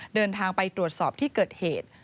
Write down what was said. เดินทางไปตรวจสอบที่เกิดเหตุ